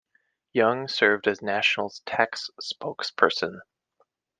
Young served as National's tax spokesperson.